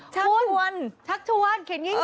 ชักชวน